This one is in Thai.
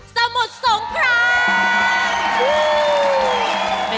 สมุทรสงคราม